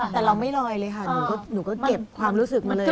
แต่เราไม่ลอยเลยค่ะหนูก็เก็บความรู้สึกมาเลย